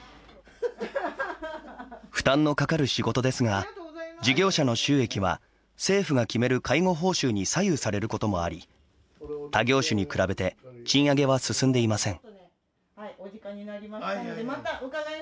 負担のかかる仕事ですが事業者の収益は政府が決める介護報酬に左右されることもあり他業種に比べて賃上げは進んでいません。